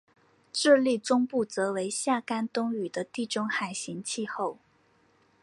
智利中部则为夏干冬雨的地中海型气候。